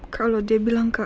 kalau dia bilang ke alde